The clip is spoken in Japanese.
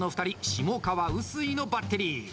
下川、臼井のバッテリー。